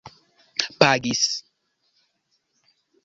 pagis